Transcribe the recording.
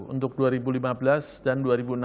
untuk dua ribu lima belas dan dua ribu enam belas